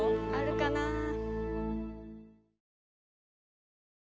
あるかな？